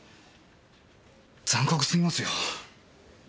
残酷すぎますよ！